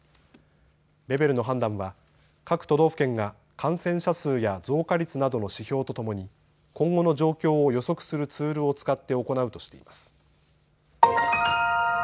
レベルの判断は各都道府県が感染者数や増加率などの指標とともに今後の状況を予測するツールを使って行うとしています。